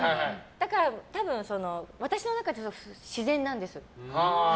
だから多分私の中で自然なんです。